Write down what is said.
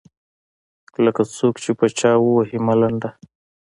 لکــــه څــوک چې په چـــا ووهي ملـــنډه.